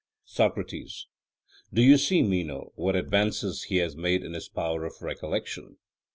SOCRATES: Do you see, Meno, what advances he has made in his power of recollection?